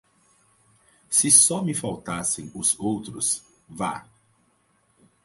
Se só me faltassem os outros, vá